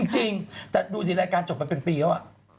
จริงแต่ดูสิรายการจบมันเป็นปีแล้ว